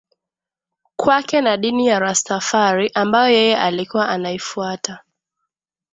Kwake na dini ya Rastafari ambayo yeye alikuwa anaifuata